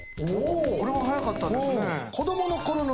これははやかったですね。